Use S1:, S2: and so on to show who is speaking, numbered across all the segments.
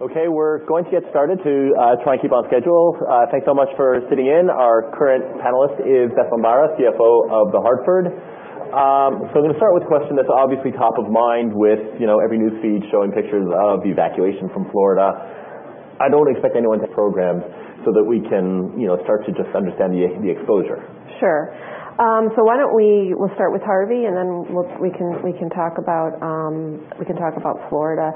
S1: We're going to get started to try and keep on schedule. Thanks so much for sitting in. Our current panelist is Beth Bombara, Chief Financial Officer of The Hartford. I'm going to start with a question that's obviously top of mind with every newsfeed showing pictures of the evacuation from Florida. I don't expect anyone programs so that we can start to just understand the exposure.
S2: Sure. Why don't we start with Harvey, and then we can talk about Florida.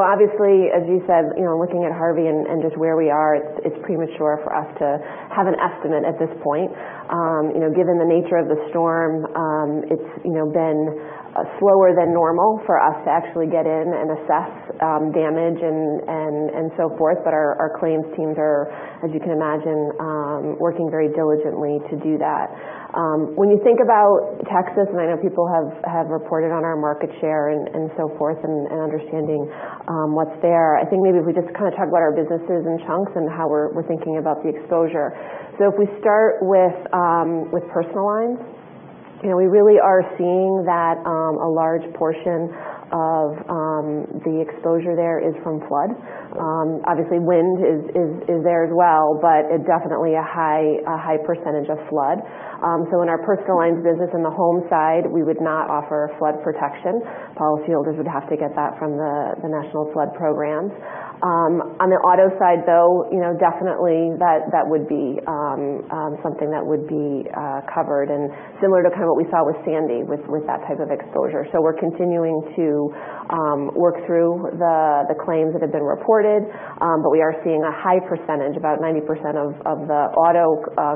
S2: Obviously, as you said, looking at Harvey and just where we are, it's premature for us to have an estimate at this point. Given the nature of the storm, it's been slower than normal for us to actually get in and assess damage and so forth. Our claims teams are, as you can imagine, working very diligently to do that. When you think about Texas, and I know people have reported on our market share and so forth and understanding what's there. I think maybe if we just talk about our businesses in chunks and how we're thinking about the exposure. If we start with personal lines. We really are seeing that a large portion of the exposure there is from flood. Obviously, wind is there as well, but definitely a high percentage of flood. In our personal lines business in the home side, we would not offer flood protection. Policyholders would have to get that from the National Flood Program. On the auto side, though, definitely that would be something that would be covered and similar to what we saw with Sandy with that type of exposure. We're continuing to work through the claims that have been reported. We are seeing a high percentage, about 90% of the auto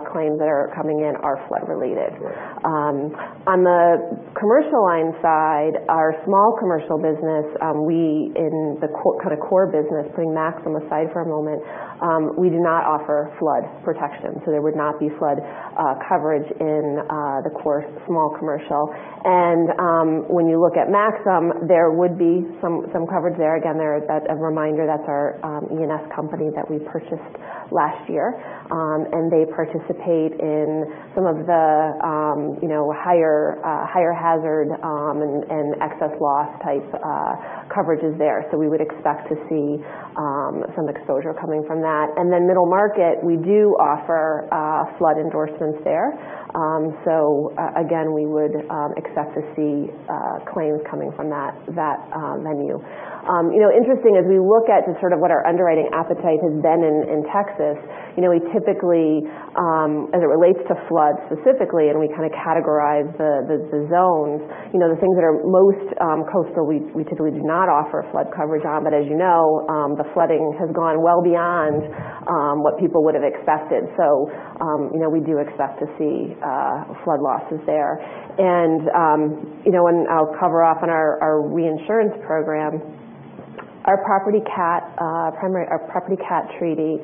S2: claims that are coming in are flood-related. On the commercial lines side, our small commercial business, we in the core business, putting Maxum aside for a moment, we do not offer flood protection. There would not be flood coverage in the core small commercial. When you look at Maxum, there would be some coverage there. Again, as a reminder, that's our E&S company that we purchased last year. They participate in some of the higher hazard and excess of loss type coverages there. We would expect to see some exposure coming from that. Then middle market, we do offer flood endorsements there. Again, we would expect to see claims coming from that menu. Interesting, as we look at what our underwriting appetite has been in Texas. We typically as it relates to floods specifically, and we categorize the zones. The things that are most coastal, we typically do not offer flood coverage on. As you know, the flooding has gone well beyond what people would have expected. We do expect to see flood losses there. I'll cover off on our reinsurance program. Our property CAT treaty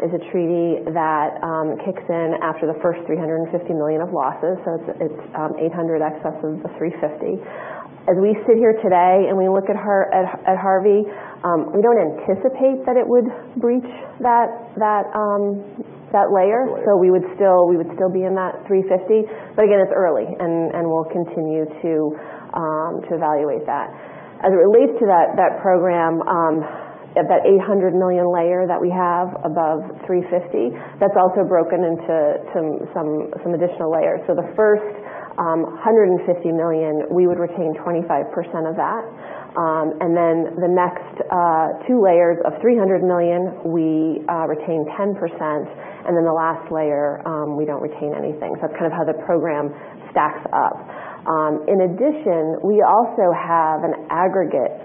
S2: is a treaty that kicks in after the first $350 million of losses. It's 800 excess of 350. As we sit here today and we look at Harvey, we don't anticipate that it would breach that layer.
S1: Layer.
S2: We would still be in that 350. Again, it's early, and we'll continue to evaluate that. As it relates to that program, that $800 million layer that we have above 350, that's also broken into some additional layers. The first $150 million, we would retain 25% of that. Then the next two layers of $300 million, we retain 10%. Then the last layer, we don't retain anything. That's how the program stacks up. In addition, we also have an aggregate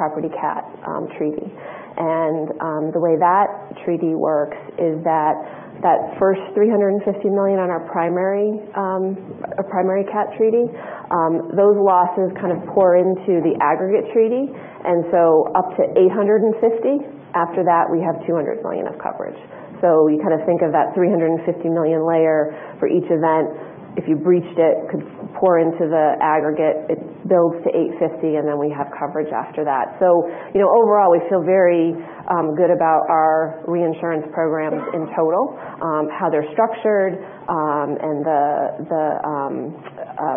S2: property catastrophe treaty. The way that treaty works is that first $350 million on our primary CAT treaty, those losses kind of pour into the aggregate treaty, up to 850. After that, we have $200 million of coverage. We think of that $350 million layer for each event. If you breached it, could pour into the aggregate, it builds to 850, then we have coverage after that. Overall, we feel very good about our reinsurance programs in total, how they're structured, and the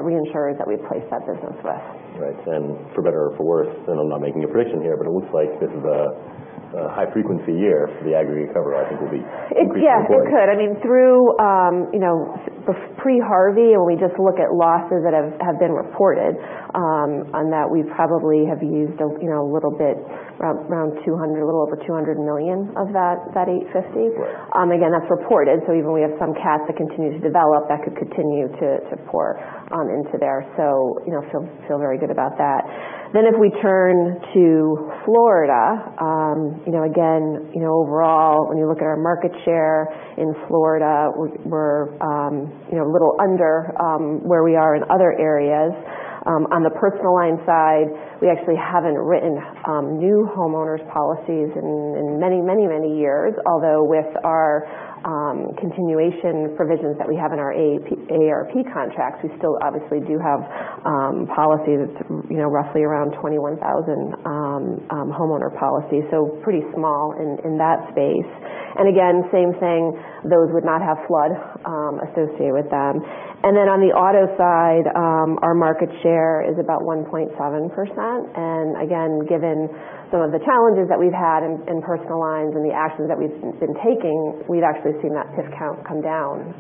S2: reinsurers that we place that business with.
S1: Right. For better or for worse, and I'm not making a prediction here, but it looks like this is a high-frequency year. The aggregate cover, I think, will be increasingly important.
S2: Yes, it could. Through pre-Harvey, when we just look at losses that have been reported on that, we probably have used a little over $200 million of that $850.
S1: Right.
S2: That's reported. Even we have some CAT that continues to develop that could continue to pour into there. Feel very good about that. If we turn to Florida. Overall, when you look at our market share in Florida, we're a little under where we are in other areas. On the personal line side, we actually haven't written new homeowners policies in many years. Although with our continuation provisions that we have in our AARP contracts, we still obviously do have roughly around 21,000 homeowner policies. Pretty small in that space. Same thing, those would not have flood associated with them. On the auto side, our market share is about 1.7%. Given some of the challenges that we've had in personal lines and the actions that we've been taking, we've actually seen that count come down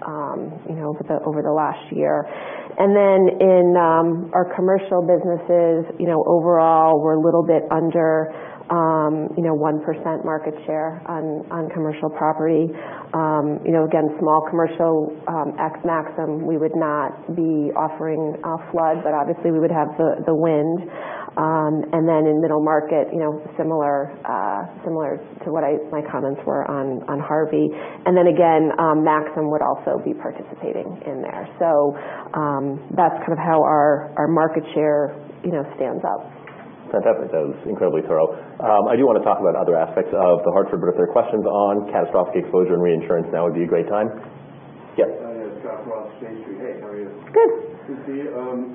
S2: over the last year. In our commercial businesses, overall, we're a little bit under 1% market share on commercial property. Small commercial ex Maxum, we would not be offering flood, but obviously we would have the wind. In middle market, similar to what my comments were on Harvey. Maxum would also be participating in there. That's how our market share stands up.
S1: Fantastic. That was incredibly thorough. I do want to talk about other aspects of The Hartford, but if there are questions on catastrophic exposure and reinsurance, now would be a great time. Yes.
S3: Hi there. Scott Ross, JMP Securities. Hey, how are you?
S2: Good.
S3: Good to see you.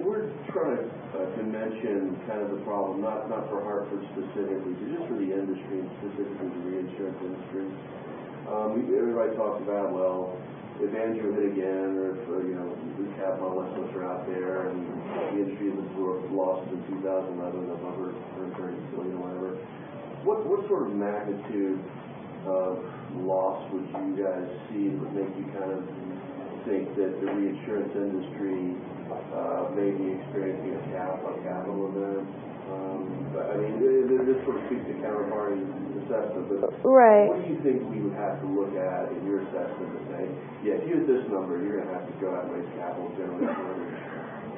S3: We're trying to mention the problem, not for Hartford specifically, just for the industry and specifically the reinsurance industry. Everybody talks about, well, if Andrew hit again or if these CAT models that are out there and the industry as a whole lost in 2011, November, hurricane. What sort of magnitude of loss would you guys see and would make you think that the reinsurance industry may be experiencing a CAT on capital event? This speaks to counterparty assessment.
S2: Right
S3: What do you think you would have to look at in your assessment to say, "Yeah, if you hit this number, you're going to have to go out and raise capital generally?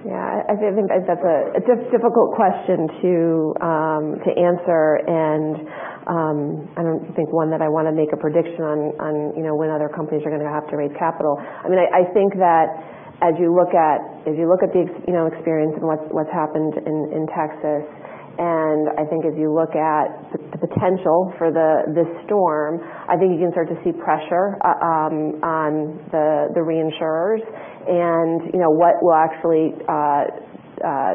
S2: Yeah. I think that's a difficult question to answer, and I don't think one that I want to make a prediction on when other companies are going to have to raise capital. I think that as you look at the experience and what's happened in Texas, and I think as you look at the potential for this storm, I think you can start to see pressure on the reinsurers. What will actually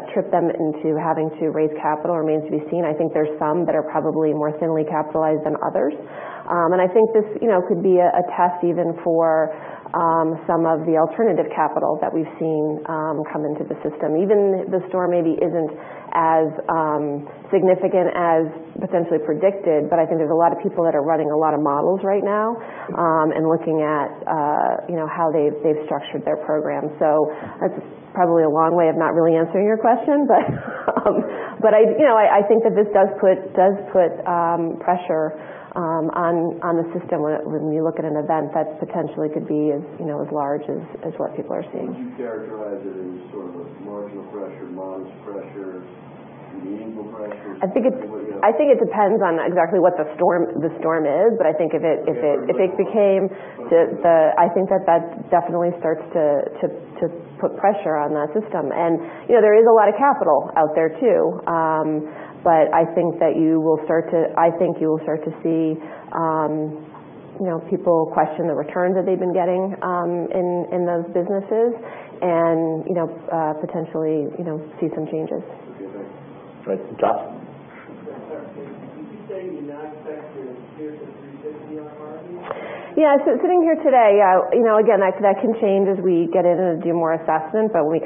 S2: trip them into having to raise capital remains to be seen. I think there's some that are probably more thinly capitalized than others. I think this could be a test even for some of the alternative capital that we've seen come into the system. Even the storm maybe isn't as significant as potentially predicted, but I think there's a lot of people that are running a lot of models right now and looking at how they've structured their program. That's probably a long way of not really answering your question, but I think that this does put pressure on the system when you look at an event that potentially could be as large as what people are seeing.
S3: Would you characterize it as a marginal pressure, modest pressure, meaningful pressure?
S2: I think it depends on exactly what the storm is. I think if it.
S3: Yeah. For example
S2: became I think that that definitely starts to put pressure on that system. There is a lot of capital out there, too. I think you will start to see people question the returns that they've been getting in those businesses and potentially see some changes.
S3: Okay, thanks.
S1: Great. Josh.
S4: Yeah. Josh with JP. Would you say you do not expect to breach the 350 on Hurricane Harvey?
S2: Sitting here today, again, that can change as we get in and do more assessment. When we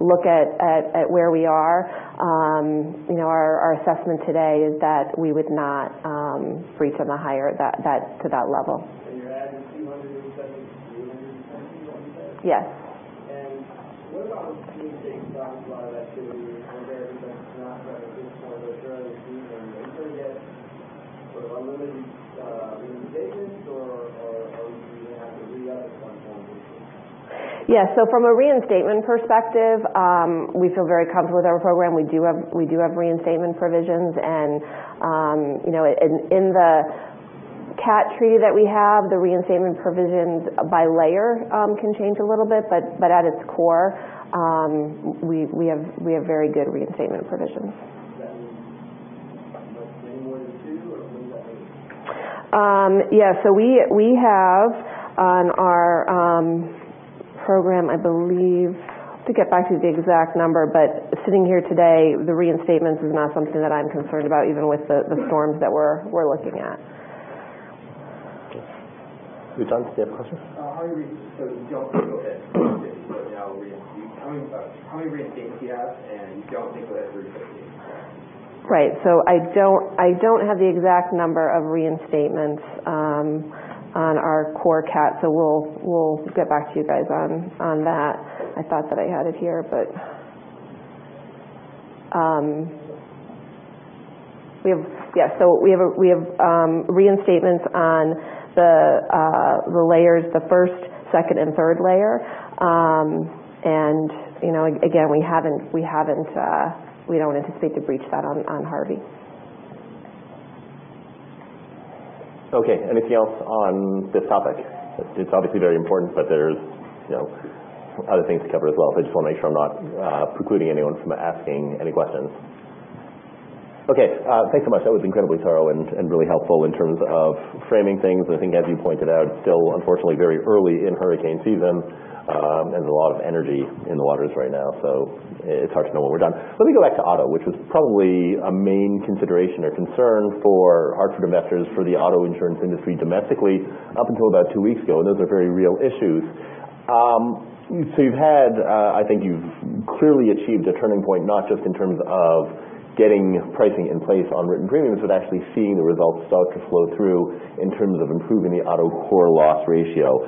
S2: look at where we are, our assessment today is that we would not breach to that level.
S4: What about 200 in excess of 300, is that what you said?
S2: Yes.
S4: What about reinstatement? You talked a lot about activity with your counterparts, but it's not at this point, but during the season, are you entering it, unlimited reinstatements or you may have to re-up at some point?
S2: From a reinstatement perspective, we feel very comfortable with our program. We do have reinstatement provisions. In the cat treaty that we have, the reinstatement provisions by layer can change a little bit, but at its core, we have very good reinstatement provisions.
S4: Does that mean like claim one to two or claim level?
S2: Yeah. We have on our program, I believe, have to get back to the exact number, but sitting here today, the reinstatements is not something that I'm concerned about, even with the storms that we're looking at.
S1: Okay. Are you done? Did you have a question?
S5: How are you-- You don't think you'll hit 350, now reinstate. How many reinstates do you have, you don't think you'll hit 350? Correct.
S2: Right. I don't have the exact number of reinstatements on our core CAT. We'll get back to you guys on that. I thought that I had it here, but we have reinstatements on the layers, the first, second, and third layer. Again, we don't anticipate to breach that on Harvey.
S1: Okay. Anything else on this topic? It's obviously very important, but there's other things to cover as well. I just want to make sure I'm not precluding anyone from asking any questions. Okay. Thanks so much. That was incredibly thorough and really helpful in terms of framing things. I think, as you pointed out, still unfortunately very early in hurricane season. There's a lot of energy in the waters right now, so it's hard to know when we're done. Let me go back to auto, which was probably a main consideration or concern for Hartford investors for the auto insurance industry domestically up until about two weeks ago. Those are very real issues. You've had, I think you've clearly achieved a turning point, not just in terms of getting pricing in place on written premiums, but actually seeing the results start to flow through in terms of improving the auto core loss ratio.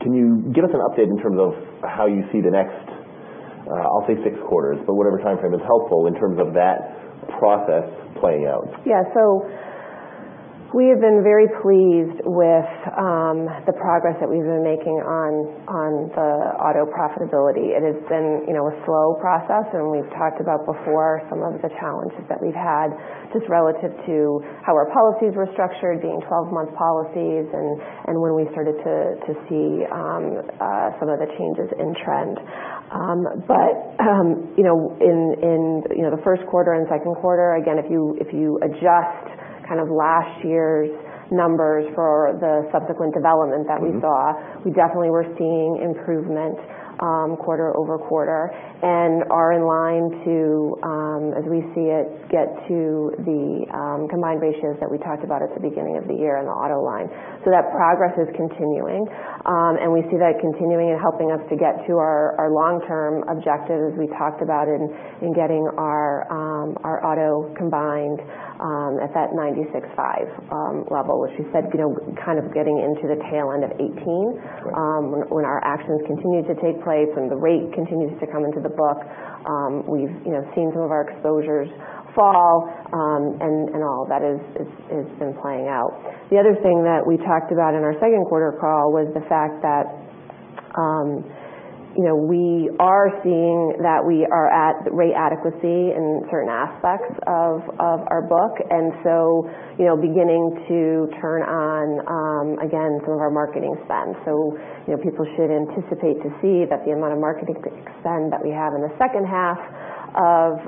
S1: Can you give us an update in terms of how you see the next, I'll say six quarters, but whatever timeframe is helpful in terms of that process playing out?
S2: Yeah. We have been very pleased with the progress that we've been making on the auto profitability. It has been a slow process. We've talked about before some of the challenges that we've had just relative to how our policies were structured, being 12-month policies, and where we started to see some of the changes in trend. In the first quarter and second quarter, again, if you adjust last year's numbers for the subsequent development that we saw, we definitely were seeing improvement quarter-over-quarter and are in line to, as we see it, get to the combined ratios that we talked about at the beginning of the year in the auto line. That progress is continuing. We see that continuing and helping us to get to our long-term objective, as we talked about in getting our auto combined at that 96.5 level, which we said, kind of getting into the tail end of 2018 when our actions continue to take place and the rate continues to come into the book. We've seen some of our exposures fall, and all of that has been playing out. The other thing that we talked about in our second quarter call was the fact that we are seeing that we are at rate adequacy in certain aspects of our book. Beginning to turn on, again, some of our marketing spend. People should anticipate to see that the amount of marketing spend that we have in the second half of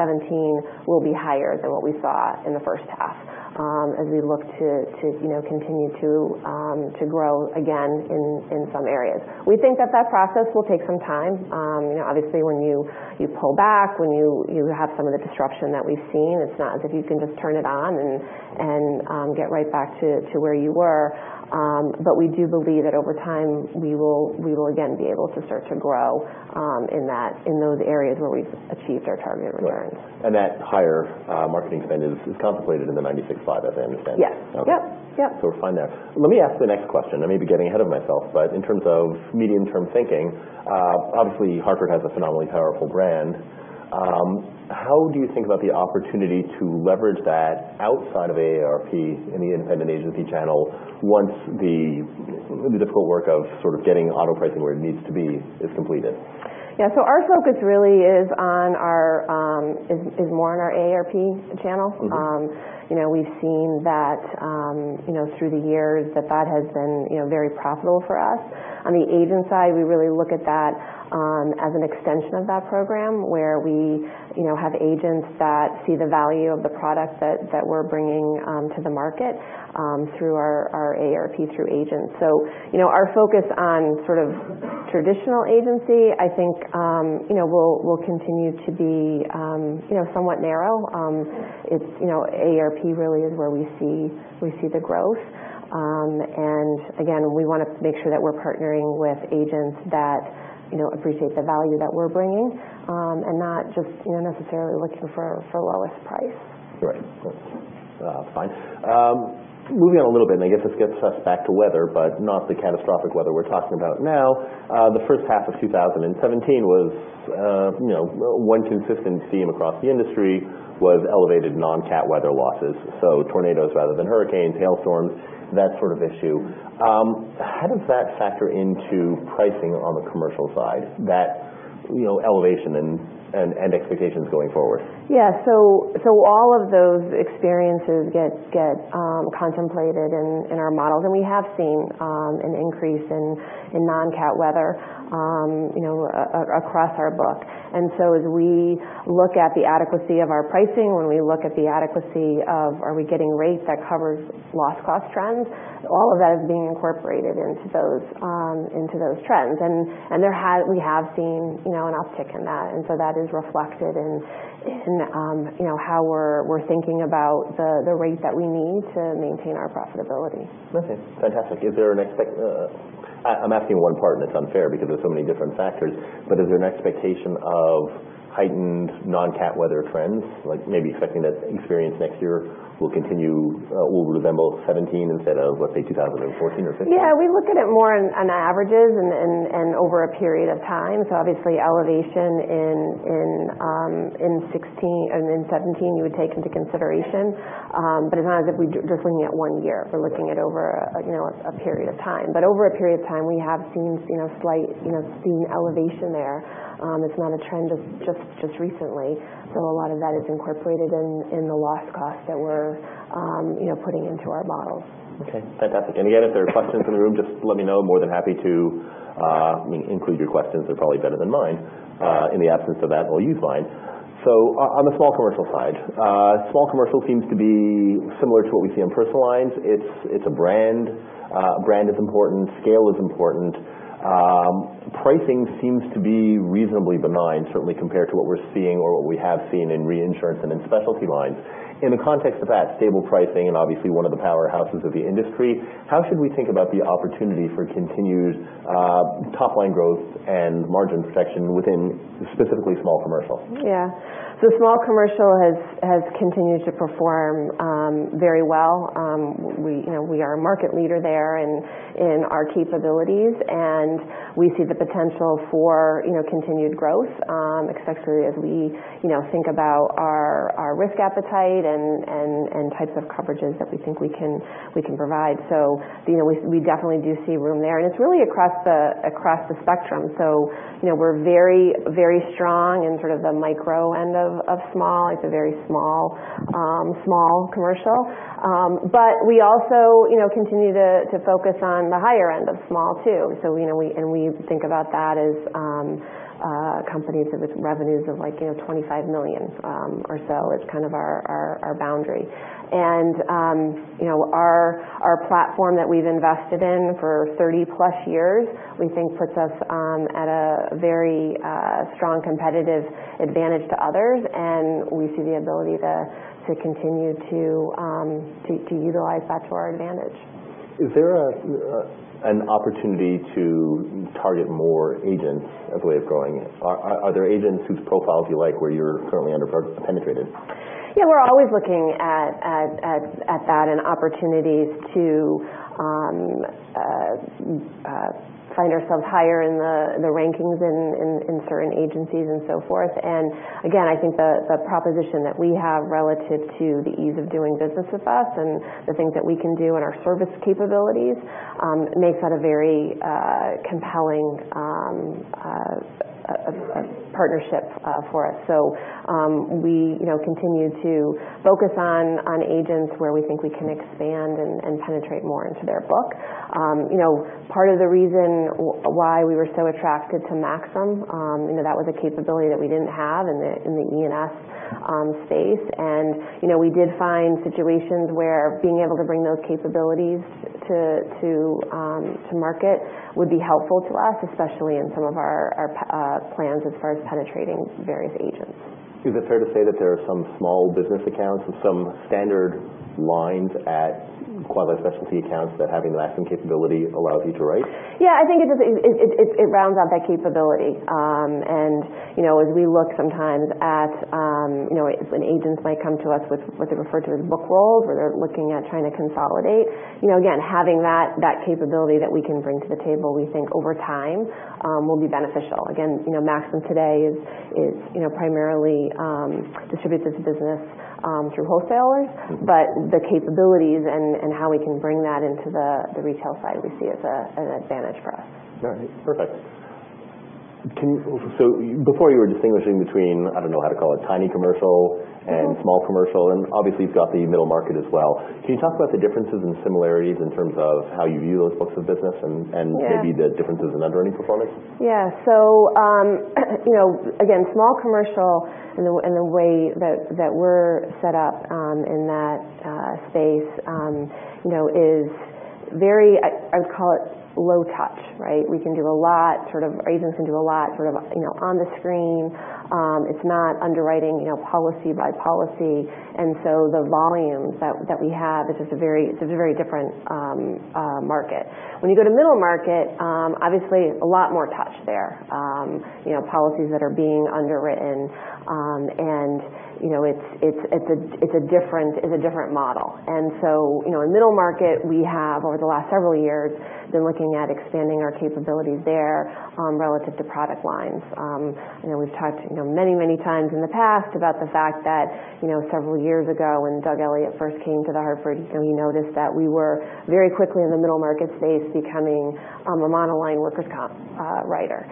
S2: 2017 will be higher than what we saw in the first half as we look to continue to grow again in some areas. We think that process will take some time. Obviously, when you pull back, when you have some of the disruption that we've seen, it's not as if you can just turn it on and get right back to where you were. We do believe that over time we will again be able to start to grow in those areas where we've achieved our target returns.
S1: Right. That higher marketing spend is contemplated in the 96.5, as I understand.
S2: Yes.
S1: Okay.
S2: Yep.
S1: We're fine there. Let me ask the next question. I may be getting ahead of myself, but in terms of medium-term thinking, obviously The Hartford has a phenomenally powerful brand. How do you think about the opportunity to leverage that outside of AARP in the independent agency channel once the difficult work of sort of getting auto pricing where it needs to be is completed?
S2: Our focus really is more on our AARP channel. We've seen that through the years that has been very profitable for us. On the agent side, we really look at that as an extension of that program, where we have agents that see the value of the product that we're bringing to the market through our AARP through agents. Our focus on sort of traditional agency, I think will continue to be somewhat narrow. AARP really is where we see the growth. Again, we want to make sure that we're partnering with agents that appreciate the value that we're bringing, and not just necessarily looking for the lowest price.
S1: Right. Fine. Moving on a little bit, I guess this gets us back to weather, but not the catastrophic weather we're talking about now. The first half of 2017 was one consistent theme across the industry was elevated non-cat weather losses. Tornadoes rather than hurricanes, hailstorms, that sort of issue. How does that factor into pricing on the commercial side, that elevation and expectations going forward?
S2: All of those experiences get contemplated in our models. We have seen an increase in non-cat weather across our book. As we look at the adequacy of our pricing, when we look at the adequacy of are we getting rates that covers loss cost trends, all of that is being incorporated into those trends. We have seen an uptick in that. That is reflected in how we're thinking about the rate that we need to maintain our profitability.
S1: Okay. Fantastic. I'm asking one part and it's unfair because there are so many different factors. Is there an expectation of heightened non-cat weather trends? Like maybe expecting that experience next year will resemble 2017 instead of, let's say, 2014 or 2015?
S2: Yeah. We look at it more on averages and over a period of time. Obviously elevation in 2016 and in 2017 you would take into consideration. It's not as if we're just looking at one year. We're looking at over a period of time. Over a period of time, we have seen slight elevation there. It's not a trend of just recently. A lot of that is incorporated in the loss cost that we're putting into our models.
S1: Okay. Fantastic. Again, if there are questions in the room, just let me know. More than happy to include your questions. They're probably better than mine. In the absence of that, we'll use mine. On the small commercial side. Small commercial seems to be similar to what we see on personal lines. It's a brand. Brand is important. Scale is important. Pricing seems to be reasonably benign, certainly compared to what we're seeing or what we have seen in reinsurance and in specialty lines. In the context of that stable pricing and obviously one of the powerhouses of the industry, how should we think about the opportunity for continued top-line growth and margin protection within specifically small commercial.
S2: Yeah. Small commercial has continued to perform very well. We are a market leader there in our capabilities, and we see the potential for continued growth, especially as we think about our risk appetite and types of coverages that we think we can provide. We definitely do see room there. It's really across the spectrum. We're very strong in sort of the micro end of small. It's a very small commercial. We also continue to focus on the higher end of small, too. We think about that as companies with revenues of like $25 million or so as kind of our boundary. Our platform that we've invested in for 30+ years, we think puts us at a very strong competitive advantage to others, and we see the ability to continue to utilize that to our advantage.
S1: Is there an opportunity to target more agents as a way of growing? Are there agents whose profiles you like where you're currently under-penetrated?
S2: Yeah, we're always looking at that and opportunities to find ourselves higher in the rankings in certain agencies and so forth. Again, I think the proposition that we have relative to the ease of doing business with us and the things that we can do in our service capabilities makes that a very compelling partnership for us. We continue to focus on agents where we think we can expand and penetrate more into their book. Part of the reason why we were so attracted to Maxum, that was a capability that we didn't have in the E&S space. We did find situations where being able to bring those capabilities to market would be helpful to us, especially in some of our plans as far as penetrating various agents.
S1: Is it fair to say that there are some small business accounts and some standard lines at quality specialty accounts that having the Maxum capability allows you to write?
S2: Yeah, I think it rounds out that capability. As we look sometimes at when agents might come to us with what they refer to as book rolls, where they're looking at trying to consolidate. Again, having that capability that we can bring to the table, we think over time will be beneficial. Again, Maxum today primarily distributes its business through wholesalers. The capabilities and how we can bring that into the retail side, we see as an advantage for us.
S1: All right. Perfect. Before, you were distinguishing between, I don't know how to call it, tiny commercial and small commercial, and obviously you've got the middle market as well. Can you talk about the differences and similarities in terms of how you view those books of business and
S2: Yeah
S1: maybe the differences in underwriting performance?
S2: Yeah. Again, small commercial in the way that we're set up in that space is very, I would call it low touch, right? We can do a lot, sort of agents can do a lot sort of on the screen. It's not underwriting policy by policy. The volumes that we have, it's a very different market. When you go to middle market, obviously a lot more touch there. Policies that are being underwritten, and it's a different model. In middle market, we have, over the last several years, been looking at expanding our capabilities there relative to product lines. We've talked many times in the past about the fact that, several years ago when Doug Elliott first came to The Hartford, he noticed that we were very quickly in the middle market space becoming a monoline workers' comp writer.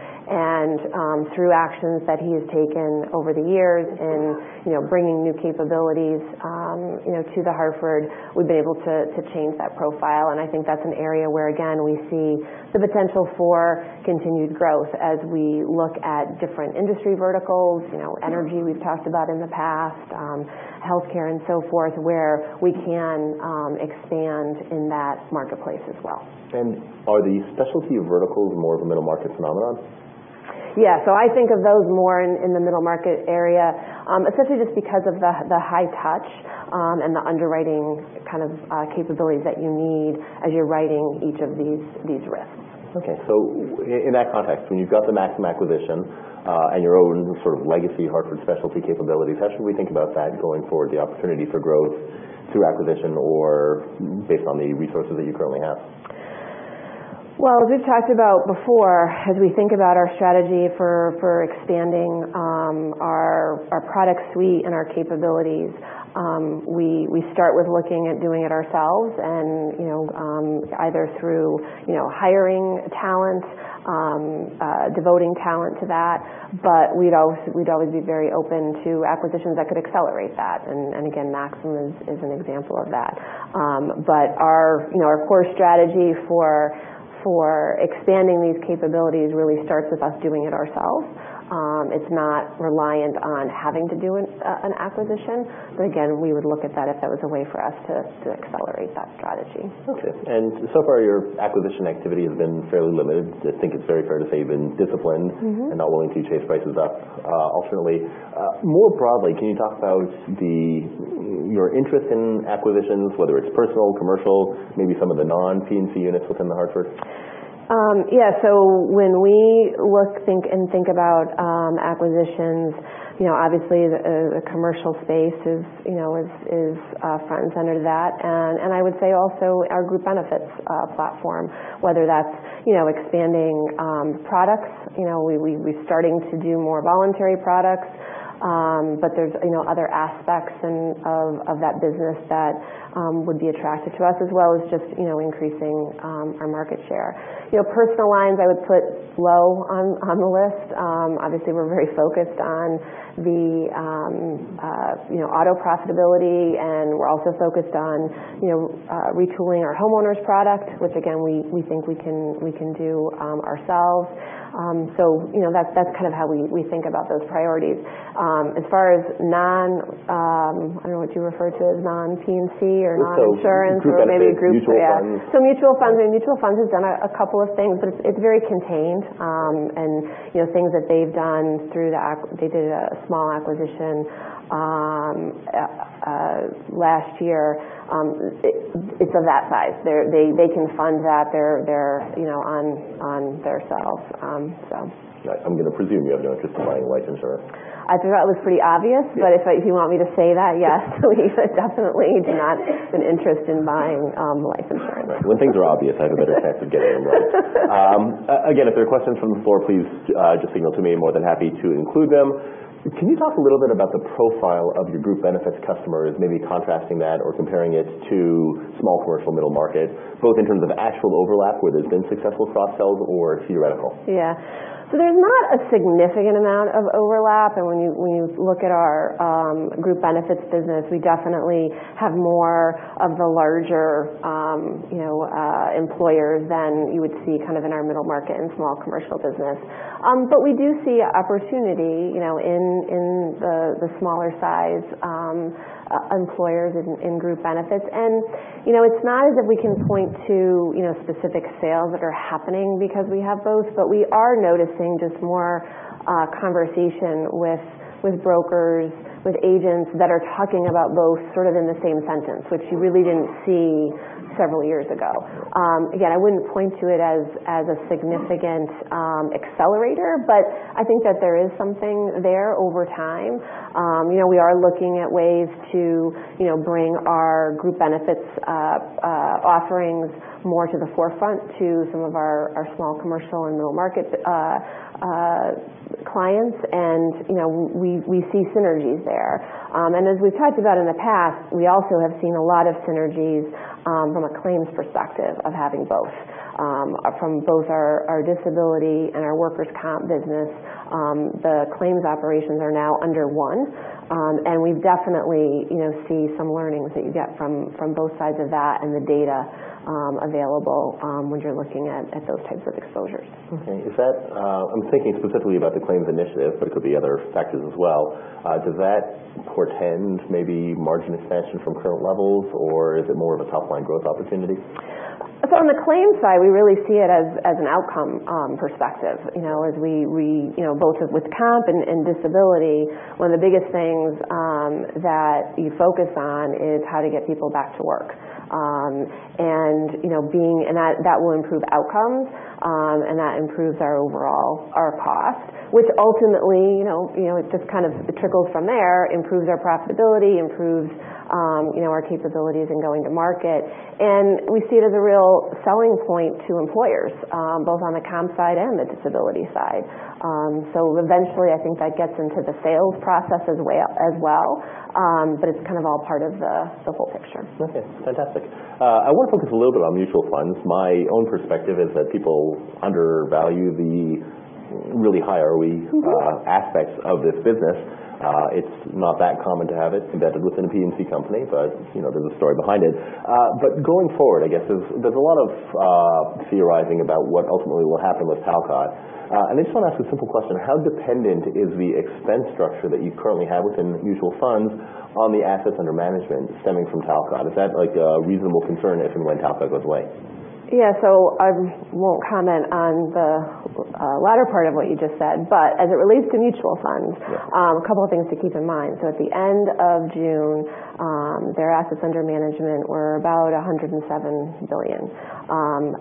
S2: Through actions that he has taken over the years in bringing new capabilities to The Hartford, we've been able to change that profile. I think that's an area where, again, we see the potential for continued growth as we look at different industry verticals. Energy we've talked about in the past. Healthcare and so forth, where we can expand in that marketplace as well.
S1: Are the specialty verticals more of a middle market phenomenon?
S2: I think of those more in the middle market area, especially just because of the high touch, and the underwriting kind of capabilities that you need as you're writing each of these risks.
S1: In that context, when you've got the Maxum acquisition, and your own sort of legacy Hartford specialty capabilities, how should we think about that going forward? The opportunity for growth through acquisition or based on the resources that you currently have?
S2: As we've talked about before, as we think about our strategy for expanding our product suite and our capabilities, we start with looking at doing it ourselves and either through hiring talent, devoting talent to that. We'd always be very open to acquisitions that could accelerate that. Again, Maxum is an example of that. Our core strategy for expanding these capabilities really starts with us doing it ourselves. It's not reliant on having to do an acquisition. Again, we would look at that if that was a way for us to accelerate that strategy.
S1: Okay. So far, your acquisition activity has been fairly limited. I think it's very fair to say you've been disciplined- Not willing to chase prices up. Ultimately, more broadly, can you talk about your interest in acquisitions, whether it's personal, commercial, maybe some of the non-P&C units within The Hartford?
S2: Yeah. When we work and think about acquisitions, obviously the commercial space is front and center to that. I would say also our group benefits platform, whether that's expanding products. We're starting to do more voluntary products. There's other aspects of that business that would be attractive to us, as well as just increasing our market share. Personal lines I would put low on the list. Obviously, we're very focused on the auto profitability, we're also focused on retooling our homeowners product, which again, we think we can do ourselves. That's kind of how we think about those priorities. As far as non, I don't know what you refer to as non-P&C or non-insurance or maybe a group-
S1: You could maybe say mutual funds.
S2: Yeah. Mutual funds. Mutual funds has done a couple of things, but it's very contained. Things that they've done through they did a small acquisition last year. It's of that size. They can fund that on their selves.
S1: I'm going to presume you have no interest in buying life insurance.
S2: I thought that was pretty obvious.
S1: Yeah.
S2: If you want me to say that, yes, we definitely do not have an interest in buying life insurance.
S1: When things are obvious, I have a better chance of getting them right. Again, if there are questions from the floor, please just signal to me. More than happy to include them. Can you talk a little bit about the profile of your group benefits customers, maybe contrasting that or comparing it to small commercial middle market, both in terms of actual overlap where there's been successful cross-sells or theoretical?
S2: Yeah. There's not a significant amount of overlap. When you look at our group benefits business, we definitely have more of the larger employers than you would see kind of in our middle market and small commercial business. We do see opportunity in the smaller size employers in group benefits. It's not as if we can point to specific sales that are happening because we have both. We are noticing just more conversation with brokers, with agents that are talking about both sort of in the same sentence, which you really didn't see several years ago. I wouldn't point to it as a significant accelerator, but I think that there is something there over time. We are looking at ways to bring our group benefits offerings more to the forefront to some of our small commercial and middle market clients. We see synergies there. As we've talked about in the past, we also have seen a lot of synergies from a claims perspective of having both. From both our disability and our workers' comp business the claims operations are now under one. We definitely see some learnings that you get from both sides of that and the data available when you're looking at those types of exposures.
S1: Okay. I'm thinking specifically about the claims initiative, it could be other factors as well. Does that portend maybe margin expansion from current levels, or is it more of a top-line growth opportunity?
S2: On the claims side, we really see it as an outcome perspective. Both with comp and disability, one of the biggest things that you focus on is how to get people back to work. That will improve outcomes. That improves our cost, which ultimately, it just kind of trickles from there. Improves our profitability, improves our capabilities in going to market. We see it as a real selling point to employers both on the comp side and the disability side. Eventually I think that gets into the sales process as well. It's kind of all part of the whole picture.
S1: Okay. Fantastic. I want to focus a little bit on mutual funds. My own perspective is that people undervalue the really high ROE- aspects of this business. It's not that common to have it embedded within a P&C company, but there's a story behind it. Going forward, I guess there's a lot of theorizing about what ultimately will happen with Talcott. I just want to ask a simple question. How dependent is the expense structure that you currently have within mutual funds on the assets under management stemming from Talcott? Is that a reasonable concern if and when Talcott goes away?
S2: Yeah. I won't comment on the latter part of what you just said, as it relates to mutual funds-
S1: Yeah
S2: A couple of things to keep in mind. At the end of June their assets under management were about $107 billion.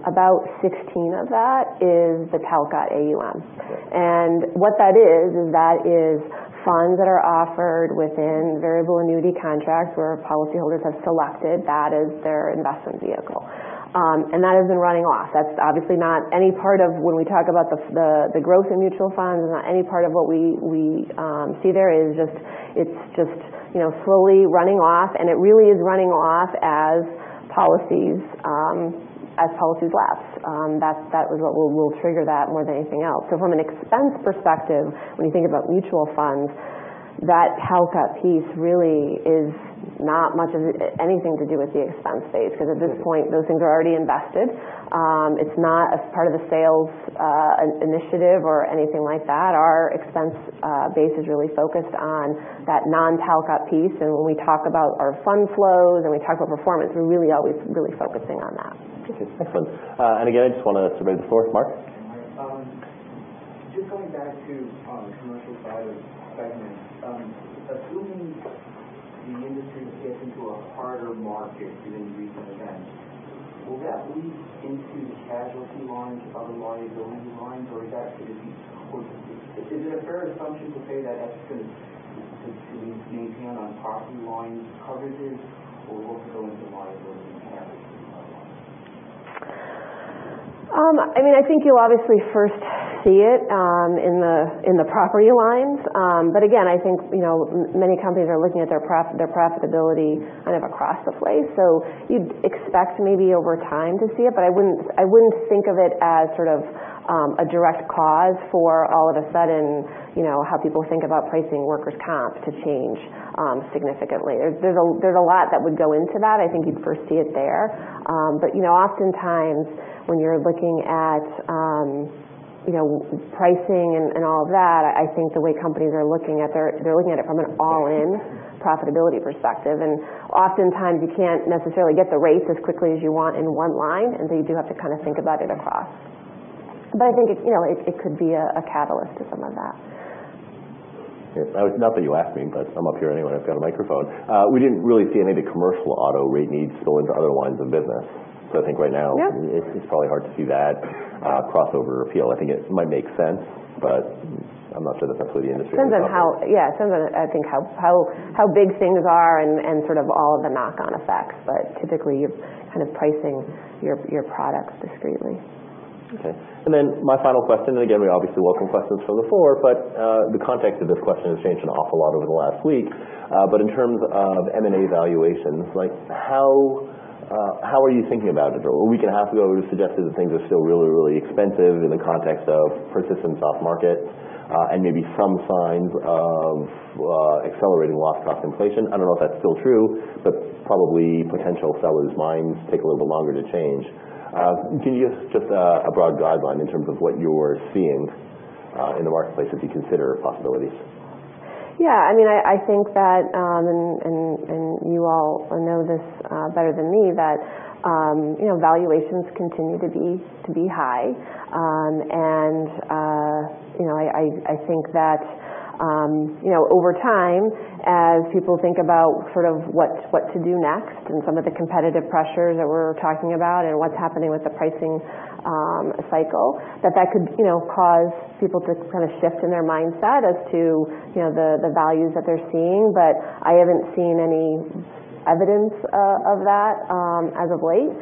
S2: About $16 billion of that is the Talcott AUM.
S1: Yeah.
S2: What that is that is funds that are offered within variable annuity contracts where policyholders have selected that as their investment vehicle. That has been running off. That's obviously not any part of when we talk about the growth in mutual funds, not any part of what we see there. It's just slowly running off, and it really is running off as policies lapse. That is what will trigger that more than anything else. From an expense perspective, when you think about mutual funds, that Talcott piece really is not much of anything to do with the expense base because at this point, those things are already invested. It's not a part of the sales initiative or anything like that. Our expense base is really focused on that non-Talcott piece. When we talk about our fund flows and we talk about performance, we're really always really focusing on that.
S1: Okay. Excellent. Again, I just want to survey the floor. Mark?
S5: Yeah. Hi, Tom.
S6: Just going back to the commercial side of the segment. Assuming the industry gets into a harder market given recent events, will that leak into the casualty lines, other liability lines, or is it a fair assumption to say that that's going to continue to maintain on property line coverages or will it go into liability casualty lines?
S2: I think you'll obviously first see it in the property lines. Again, I think many companies are looking at their profitability kind of across the place. You'd expect maybe over time to see it, but I wouldn't think of it as sort of a direct cause for all of a sudden how people think about pricing workers' comp to change significantly. There's a lot that would go into that. I think you'd first see it there. Oftentimes when you're looking at pricing and all of that, I think the way companies are looking at it, they're looking at it from an all-in profitability perspective. Oftentimes you can't necessarily get the rates as quickly as you want in one line, and so you do have to kind of think about it across. I think it could be a catalyst to some of that.
S1: Not that you asked me, but I'm up here anyway and I've got a microphone. We didn't really see any of the commercial auto rate needs spill into other lines of business. I think right now.
S2: Yep
S1: It's probably hard to see that crossover appeal. I think it might make sense, but I'm not sure that's necessarily the industry-
S2: Depends on how big things are and sort of all of the knock-on effects. Typically, you're kind of pricing your products discreetly.
S1: Okay. Then my final question, again, we obviously welcome questions from the floor, the context of this question has changed an awful lot over the last week. In terms of M&A valuations, how are you thinking about it? A week and a half ago, we suggested that things are still really, really expensive in the context of persistent soft market and maybe some signs of accelerating loss cost inflation. I don't know if that's still true, probably potential sellers' minds take a little bit longer to change. Can you give us just a broad guideline in terms of what you're seeing in the marketplace as you consider possibilities?
S2: Yeah. I think that, you all know this better than me, that valuations continue to be high. I think that over time, as people think about what to do next and some of the competitive pressures that we're talking about and what's happening with the pricing cycle, that that could cause people to kind of shift in their mindset as to the values that they're seeing. I haven't seen any evidence of that as of late.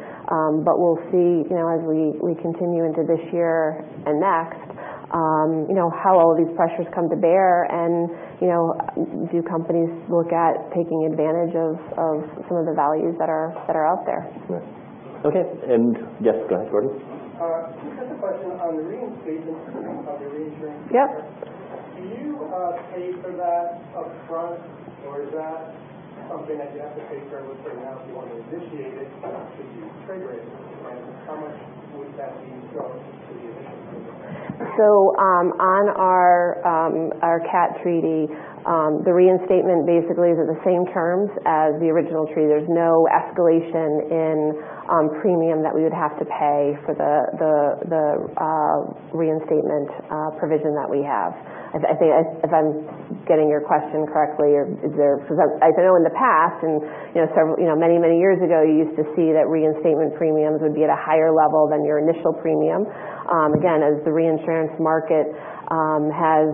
S2: We'll see as we continue into this year and next how all these pressures come to bear and do companies look at taking advantage of some of the values that are out there.
S1: Right. Okay. Yes, go ahead, Gordon.
S7: Just had a question on the reinstatement of your reinsurance.
S2: Yep.
S7: Do you pay for that upfront or is that something that you have to pay for it with right now if you want to initiate it to use trade rates? How much would that be going to the initial premium there?
S2: On our CAT treaty, the reinstatement basically is at the same terms as the original treaty. There's no escalation in premium that we would have to pay for the reinstatement provision that we have. If I'm getting your question correctly. I know in the past and many, many years ago, you used to see that reinstatement premiums would be at a higher level than your initial premium. Again, as the reinsurance market has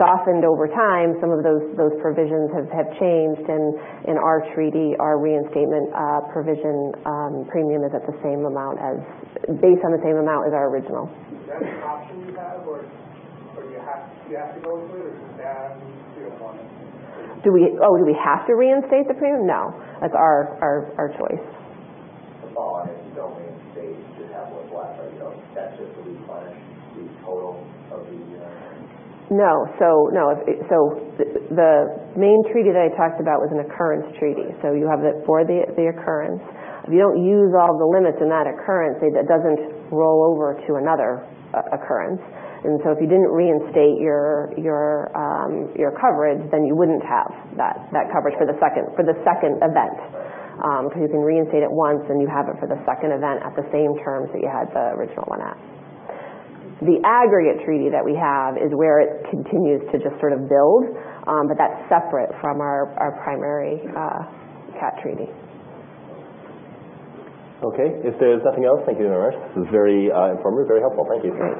S2: softened over time, some of those provisions have changed. In our treaty, our reinstatement provision premium is based on the same amount as our original.
S7: Is that an option you have or you have to go through it if you have one?
S2: Do we have to reinstate the premium? No. That's our choice.
S7: If you don't reinstate, you just have what's left.
S2: No. The main treaty that I talked about was an occurrence treaty. You have it for the occurrence. If you don't use all the limits in that occurrence, it doesn't roll over to another occurrence. If you didn't reinstate your coverage, you wouldn't have that coverage for the second event. Because you can reinstate it once and you have it for the second event at the same terms that you had the original one at. The aggregate treaty that we have is where it continues to just sort of build. That's separate from our primary CAT treaty.
S1: Okay. If there's nothing else, thank you very much. This was very informative, very helpful. Thank you.